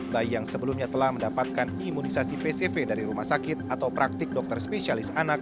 bayi yang sebelumnya telah mendapatkan imunisasi pcv dari rumah sakit atau praktik dokter spesialis anak